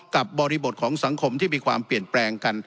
บริบทของสังคมที่มีความเปลี่ยนแปลงกัน